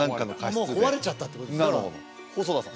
もう壊れちゃったってことですね細田さん